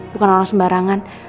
bukan orang sembarangan